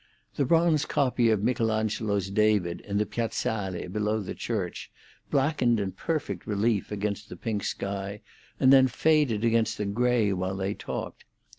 The bronze copy of Michelangelo's David, in the Piazzale below the church, blackened in perfect relief against the pink sky and then faded against the grey while they talked.